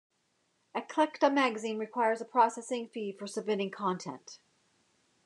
"Eclectica Magazine" requires a processing fee for submitting content.